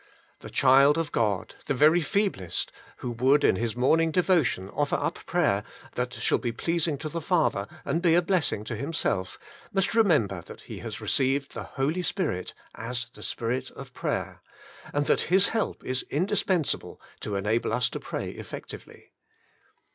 ^' The child of God, the very feeblest, who would in his morning devotion offer up prayer, that shall be pleasing to the Father, and be a blessing to himself, must remember that he has re ceived the Holy Spirit as the spirit of prayer, and that His help is indispensable to enable us to pray effectually.